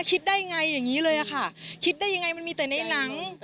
คิดได้ไงอย่างนี้เลยอะค่ะคิดได้ยังไงมันมีแต่ในหนัง